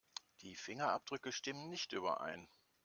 Die Fingerabdrücke stimmen nicht überein.